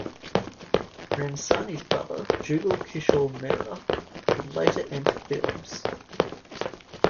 Ramsarni's brother, Jugal Kishore Mehra, would later enter films.